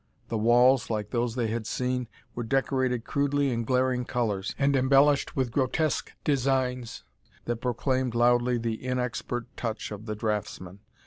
The walls, like those they had seen, were decorated crudely in glaring colors, and embellished with grotesque designs that proclaimed loudly the inexpert touch of the draughtsman.